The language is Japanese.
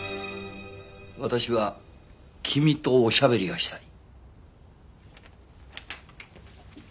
私は君とおしゃべりがしたい。